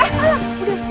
jangan jauh ecm